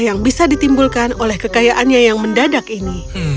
yang bisa ditimbulkan oleh kekayaannya yang mendadak ini